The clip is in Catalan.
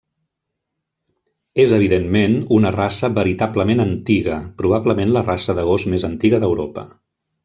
És evidentment una raça veritablement antiga, probablement la raça de gos més antiga d'Europa.